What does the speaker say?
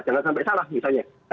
jangan sampai salah misalnya